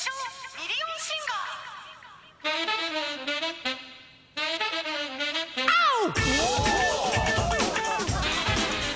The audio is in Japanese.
ミリオンシンガー・アオ！